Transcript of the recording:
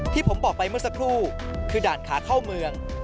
ที่ผมบอกไปเมื่อสักครู่คือด่านขาเข้าเมือง